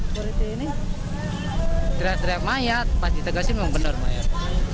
teriak teriak mayat pas ditegasi memang benar mayat